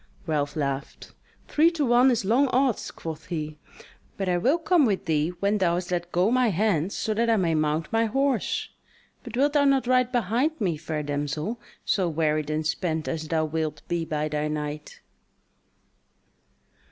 Ralph laughed: "Three to one is long odds," quoth he, "but I will come with thee when thou hast let go my hands so that I may mount my horse. But wilt thou not ride behind me, fair damsel; so wearied and spent as thou wilt be by thy night."